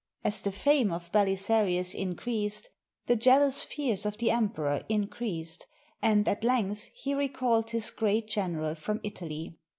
As the fame of Belisarius increased, the jealous fears of the emperor increased, and at length he recalled his great general from Italy.